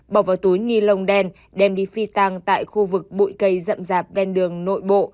bỏ vào túi ni lông đen đem đi phi tăng tại khu vực bụi cây rậm rạp bên đường nội bộ